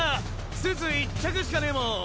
スーツ１着しかねぇもん。